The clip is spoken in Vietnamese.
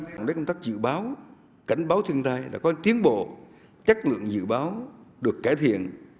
công tác dự báo cảnh báo thiên tai đã có tiến bộ chất lượng dự báo được cải thiện